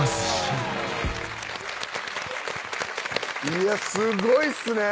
いやすごいっすね。